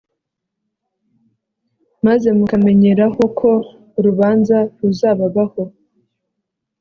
maze mukamenyereho ko urubanza ruzababaho